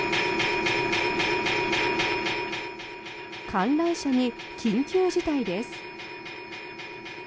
観覧車に緊急事態です。